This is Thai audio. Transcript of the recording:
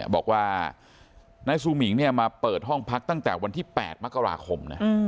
บอกว่านายซูมิงมาเปิดห้องพักตั้งแต่วันที่๘มกราคมนะ